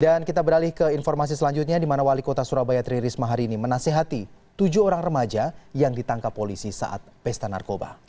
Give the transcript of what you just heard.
dan kita beralih ke informasi selanjutnya di mana wali kota surabaya tri risma hari ini menasehati tujuh orang remaja yang ditangkap polisi saat pesta narkoba